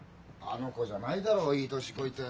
「あの子」じゃないだろういい年こいて。